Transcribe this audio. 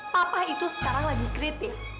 papa itu sekarang lagi kritis